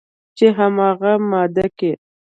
چې همغه ماده کې